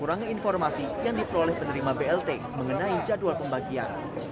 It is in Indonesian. kurangi informasi yang diperoleh penerima blt mengenai jadwal pembagian